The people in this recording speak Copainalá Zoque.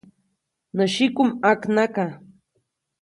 Nä syiku ʼmaknaka.